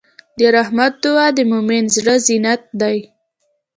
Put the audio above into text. د رحمت دعا د مؤمن زړۀ زینت دی.